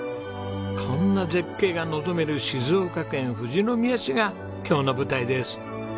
こんな絶景が望める静岡県富士宮市が今日の舞台です。